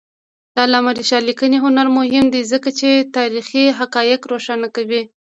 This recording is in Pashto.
د علامه رشاد لیکنی هنر مهم دی ځکه چې تاریخي حقایق روښانه کوي.